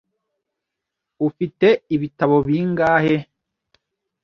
Ufite ibitabo bingahe?